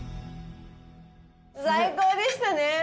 最高でしたね。